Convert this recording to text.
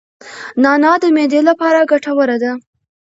نعناع د معدې لپاره ګټوره ده